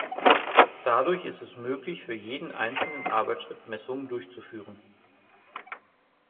Dadurch ist es möglich, für jeden einzelnen Arbeitsschritt Messungen durchzuführen.